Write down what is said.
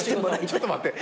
ちょっと待って！